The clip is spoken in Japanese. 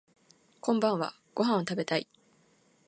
こんばんはご飯食べたい